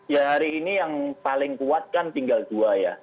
ya hari ini yang paling kuat kan tinggal dua ya